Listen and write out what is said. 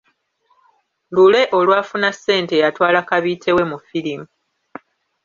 Lule olwafuna ssente yatwala kabiite we mu firimu.